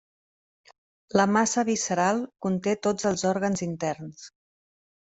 La massa visceral conté tots els òrgans interns.